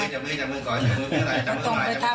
ใช่ไม่ต้องไปทำ